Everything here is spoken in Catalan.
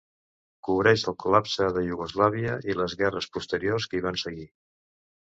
Cobreix el col·lapse de Iugoslàvia i les guerres posteriors que hi van seguir.